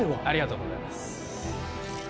ありがとうございます。